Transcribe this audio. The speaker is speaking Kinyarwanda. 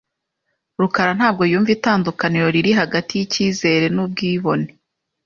rukarantabwo yumva itandukaniro riri hagati yicyizere nubwibone.